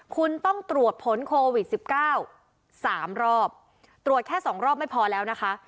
คุณต้องตรวจผลโควิด๑๙๓รอบตรวจแค่สองรอบไม่พอแล้วนะคะ